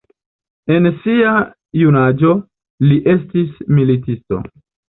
En sia junaĝo li estis militisto.